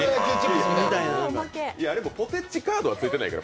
あれもポテチカードはついてないから。